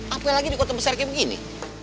apalagi di kota besar kayak begini